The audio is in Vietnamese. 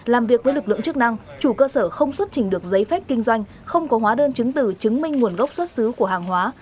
làm việc với lực lượng chức năng chủ cơ sở không xuất trình được giấy phép kinh doanh không có hóa đơn chứng từ chứng minh nguồn gốc xuất xứ của hàng hóa